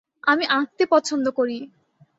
আমি আঁকতে পছন্দ করি।